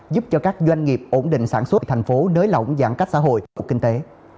giúp cho các doanh nghiệp ổn định sản xuất thành phố nới lỏng giãn cách xã hội của kinh tế